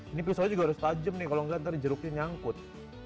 ini pisaunya juga harus tajam nih kalau nggak nanti jeruknya nyangkut